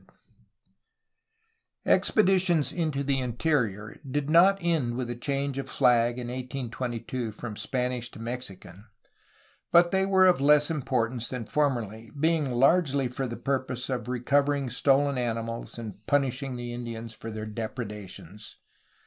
INLAND EXPLORATIONS AND INDIAN WARS 437 Expeditions into the interior did not end with the change of flag in 1822 from Spanish to Mexican, but they were of less importance than formerly, being largely for the purpose of recovering stolen animals and punishing the Indians for their depredations.